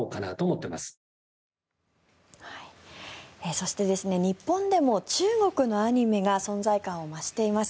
そして日本でも中国のアニメが存在感を増しています。